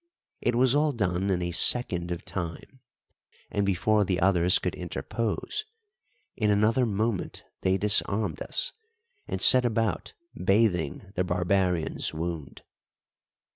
It was all done in a second of time, and before the others could interpose; in another moment they disarmed us, and set about bathing the barbarian's wound.